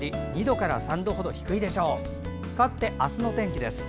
かわって明日の天気です。